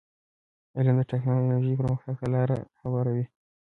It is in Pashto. علم د ټکنالوژی پرمختګ ته لار هواروي.